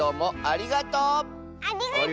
ありがとう！